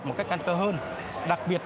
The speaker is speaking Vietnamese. một cách căn cơ hơn đặc biệt